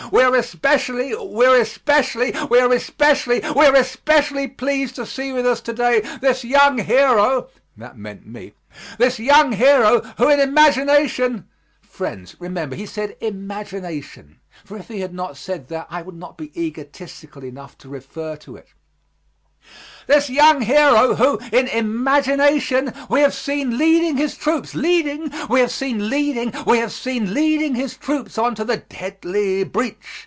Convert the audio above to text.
We are especially we are especially we are especially we are especially pleased to see with us to day this young hero (that meant me) this young hero who in imagination (friends, remember, he said "imagination," for if he had not said that, I would not be egotistical enough to refer to it) this young hero who, in imagination, we have seen leading his troops leading we have seen leading we have seen leading his troops on to the deadly breach.